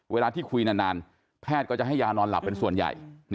เวลาที่คุยนานแพทย์ก็จะให้ยานอนหลับเป็นส่วนใหญ่